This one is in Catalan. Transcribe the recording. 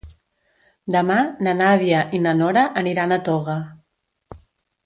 Demà na Nàdia i na Nora aniran a Toga.